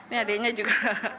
ini adiknya juga